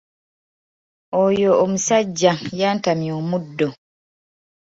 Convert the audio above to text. Oyo omusajja yantamya omuddo.